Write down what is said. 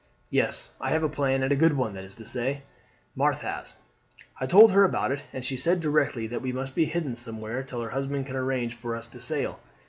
"Yes, I have a plan, and a good one; that is to say, Marthe has. I told her all about it, and she said directly that we must be hidden somewhere till her husband can arrange for us to sail.